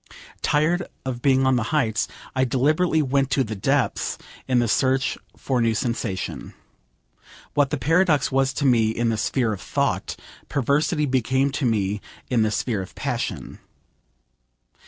Tired of being on the heights, I deliberately went to the depths in the search for new sensation. What the paradox was to me in the sphere of thought, perversity became to me in the sphere of passion.